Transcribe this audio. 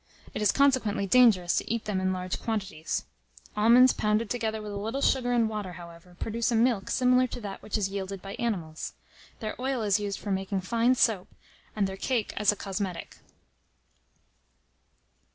It is consequently dangerous to eat them in large quantities. Almonds pounded together with a little sugar and water, however, produce a milk similar to that which is yielded by animals. Their oil is used for making fine soap, and their cake as a cosmetic.